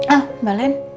ah mbak len